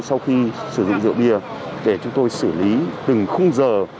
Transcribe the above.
sau khi sử dụng rượu bia để chúng tôi xử lý từng khung giờ